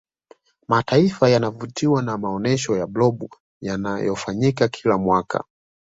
mataifa yanavutiwa na maonyesho ya blob yanayofanyika kila mwaka